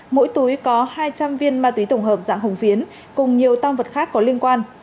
mỗi túi có hai trăm linh viên ma túy tổng hợp dạng hồng phiến cùng nhiều tăng vật khác có liên quan